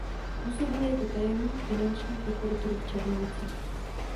Působil jako tajemník finanční prokuratury v Černovicích.